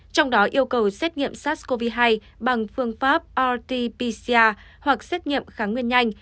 trong đó yêu cầu xét nghiệm sars cov hai bằng phương pháp rt pcr hoặc xét nghiệm kháng nguyên nhanh